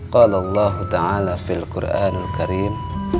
kalau allah ta'ala filquranul karim